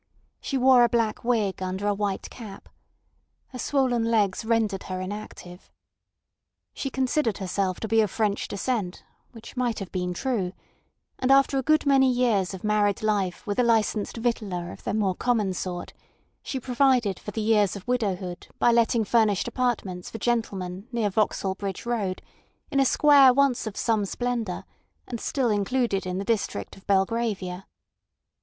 She wore a black wig under a white cap. Her swollen legs rendered her inactive. She considered herself to be of French descent, which might have been true; and after a good many years of married life with a licensed victualler of the more common sort, she provided for the years of widowhood by letting furnished apartments for gentlemen near Vauxhall Bridge Road in a square once of some splendour and still included in the district of Belgravia.